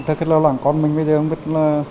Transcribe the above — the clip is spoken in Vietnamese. thật là lo lắng con mình bây giờ không biết là